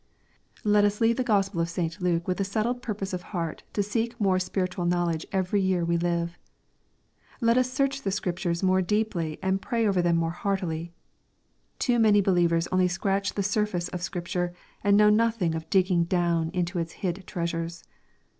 Let us leave the Gospel of St. Luke with a settled pur|>ose of heart to seek more spiritual knowledge every year we live. Let us search the Scriptures more deeply and pray over them more heartily. Too many believers only scratch the surface of Scripture, and know nothing Df digging down into its hid treasures.